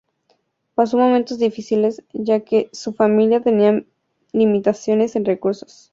Pasó momentos difíciles, ya que su familia tenía limitaciones en recursos.